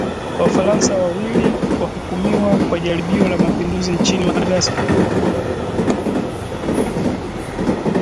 Wafaransa wawili wahukumiwa kwa jaribio la mapinduzi nchini Madagascar